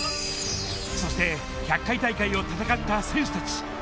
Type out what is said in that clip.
そして、１００回大会を戦った選手たち。